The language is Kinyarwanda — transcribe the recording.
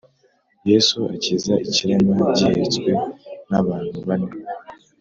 Yesu akiza ikirema gihetswe n abantu bane